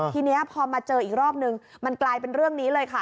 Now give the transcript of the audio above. ทีนี้พอมาเจออีกรอบนึงมันกลายเป็นเรื่องนี้เลยค่ะ